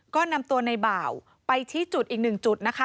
ก็นำตัวในบ่าวไปชี้จุดอีกหนึ่งจุดนะคะ